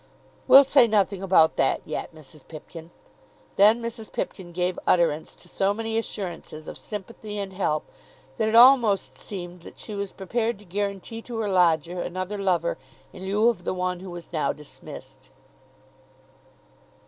"We'll say nothing about that yet, Mrs. Pipkin." Then Mrs. Pipkin gave utterance to so many assurances of sympathy and help that it almost seemed that she was prepared to guarantee to her lodger another lover in lieu of the one who was now dismissed.